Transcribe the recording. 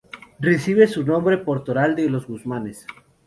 Recibe su nombre por Toral de los Guzmanes.